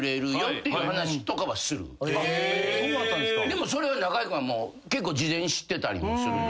でもそれ中居君はもう結構事前に知ってたりするんで。